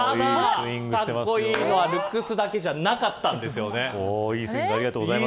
格好いいのは、ルックスだけではなかったんです。